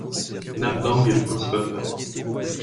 Namdang est le principal port.